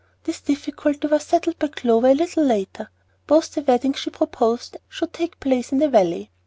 This difficulty was settled by Clover a little later. Both the weddings she proposed should take place in the Valley.